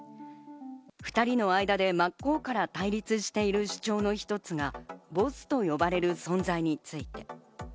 ２人の間で真っ向から対立している主張の一つがボスと呼ばれる存在について。